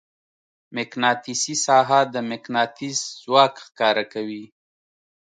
مقناطیسي ساحه د مقناطیس ځواک ښکاره کوي.